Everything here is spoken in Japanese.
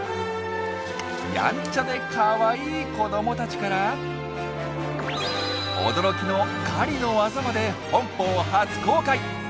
やんちゃでかわいい子どもたちから驚きの狩りの技まで本邦初公開！